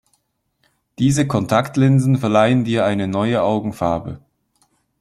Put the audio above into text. Diese Kontaktlinsen verleihen dir eine neue Augenfarbe.